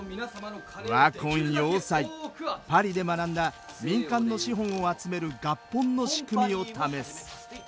パリで学んだ民間の資本を集める合本の仕組みを試す。